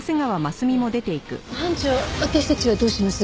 班長私たちはどうします？